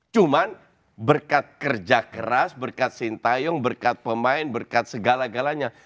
cuma berkat kerja keras berkat sintayong berkat pemain berkat segala galanya